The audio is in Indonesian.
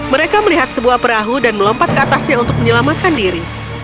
mereka melihat sebuah perahu dan melompat ke atasnya untuk menyelamatkan diri